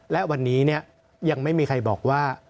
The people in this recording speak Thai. และวันนี้ยังไม่มีใครบอกว่า